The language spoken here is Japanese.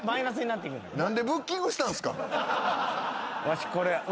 わしこれ。